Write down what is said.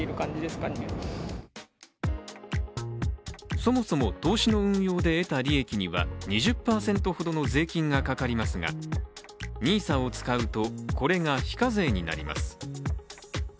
そもそも、投資の運用で得た利益には２０％ほどの税金がかかりますがＮＩＳＡを使うとこれが非課税になります。